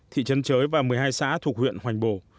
thị trấn chới và một mươi hai xã thuộc huyện hoành bồ